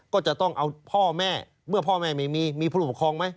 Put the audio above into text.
ก็จะต้องเอาพ่อแม่เมื่อพ่อแม่ไม่มีมีผู้ปกครองไหม